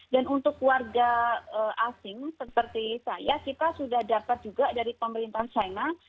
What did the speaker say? dan untuk warga asing seperti saya kita sudah dapat juga dari pemerintah china